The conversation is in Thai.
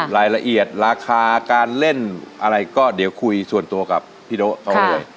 รายละเอียดราคาการเล่นอะไรก็เดี๋ยวคุยส่วนตัวกับพี่โด๊ะเขาเลย